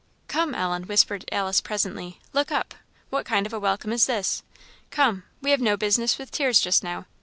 "Come, Ellen," whispered Alice, presently, "look up! what kind of a welcome is this? come! we have no business with tears just now.